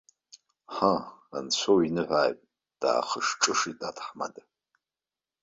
Ҳы, анцәа уиныҳәааит, даахышҿышит аҭаҳмада.